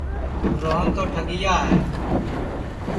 روہن تو ٹھگِیا ہے